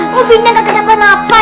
mobilnya gak kena penapa ya